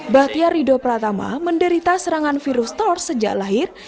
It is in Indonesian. bahtiar rido pratama menderita serangan virus tors sejak lahir